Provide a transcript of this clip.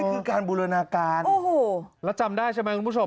นี่คือการบูรณาการ